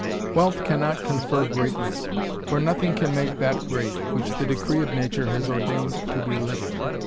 Wealth cannot confer greatness, for nothing can make that great, which the decree of nature has ordained to be little.